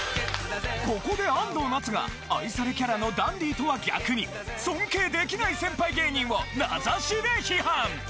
ここで安藤なつが愛されキャラのダンディとは逆に尊敬できない先輩芸人を名指しで批判！